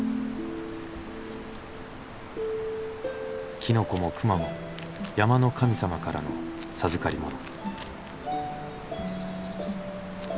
きのこも熊も山の神様からの授かりもの。